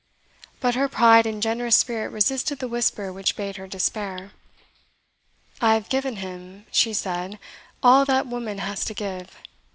But her pride and generous spirit resisted the whisper which bade her despair. "I have given him," she said, "all that woman has to give.